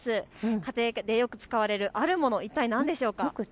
家庭でよく使われるあるもの、一体何でしょうか。